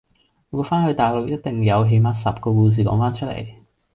每個番去大陸一定有起碼十個故事講番出嚟